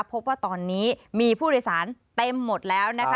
พบว่าตอนนี้มีผู้โดยสารเต็มหมดแล้วนะคะ